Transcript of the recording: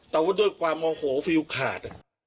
แต่ว่าด้วยความโมโหฟิลขาด